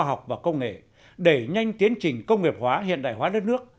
học vào công nghệ để nhanh tiến trình công nghiệp hóa hiện đại hóa đất nước